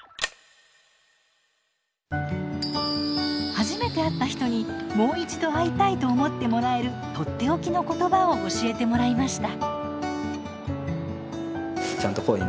初めて会った人にもう一度会いたいと思ってもらえるとっておきの言葉を教えてもらいました。